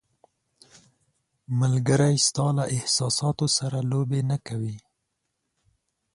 ملګری ستا له احساساتو سره لوبې نه کوي.